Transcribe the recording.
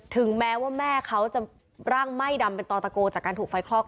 ถึงแม้ว่าแม่เขาจะร่างไหม้ดำเป็นตอตะโกจากการถูกไฟคลอก